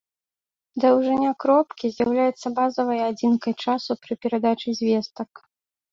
Даўжыня кропкі з'яўляецца базавай адзінкай часу пры перадачы звестак.